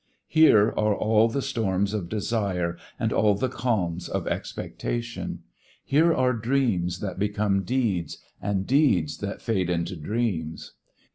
Here are all the storms of desire and the calms of expectation. Here are dreams that become deeds and deeds that fade into dreams.